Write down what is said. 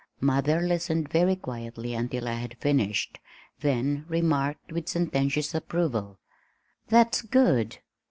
Mother listened very quietly until I had finished, then remarked with sententious approval. "That's good.